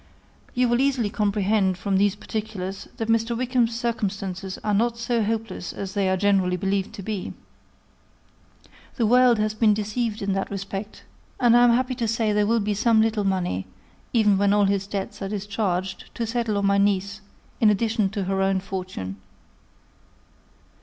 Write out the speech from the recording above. You will easily comprehend, from these particulars, that Mr. Wickham's circumstances are not so hopeless as they are generally believed to be. The world has been deceived in that respect; and I am happy to say, there will be some little money, even when all his debts are discharged, to settle on my niece, in addition to her own fortune.